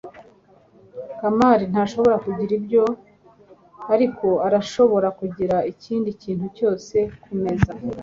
kamali ntashobora kugira ibyo, ariko arashobora kugira ikindi kintu cyose kumeza